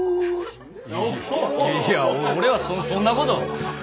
いや俺はそそんなこと。